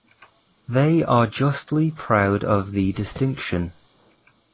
They are justly proud of the distinction.